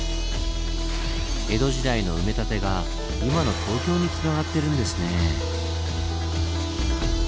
江戸時代の埋め立てが今の東京につながってるんですねぇ。